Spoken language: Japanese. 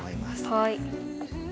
はい。